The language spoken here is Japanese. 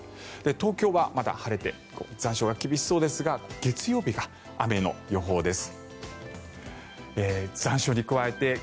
東京はまだ晴れて残暑が厳しそうですが月曜日が雨の予報です。